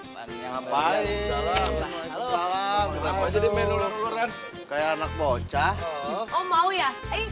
kayak anak bocah oh mau ya